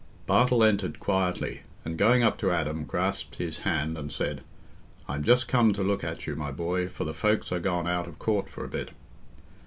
Bartle entered quietly, and, going up to Adam, grasped his hand and said, "I'm just come to look at you, my boy, for the folks are gone out of court for a bit."